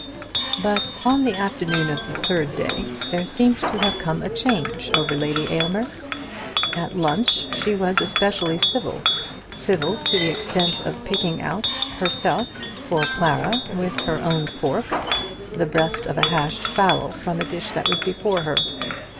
But on the afternoon of the third day there seemed to have come a change over Lady Aylmer. At lunch she was especially civil, civil to the extent of picking out herself for Clara, with her own fork, the breast of a hashed fowl from a dish that was before her.